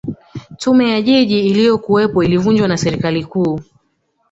tume ya jiji iliyokuwepo ilivunjwa na serikali kuu